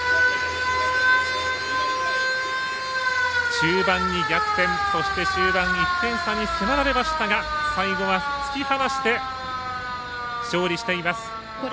中盤に逆転、そして終盤１点差に迫られましたが最後は突き放して勝利しています。